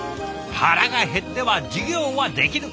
腹が減っては授業はできぬ。